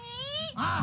ああ。